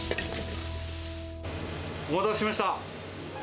お待たせしました。